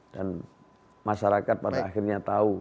dan masyarakat pada akhirnya tahu siapa yang harus dipilih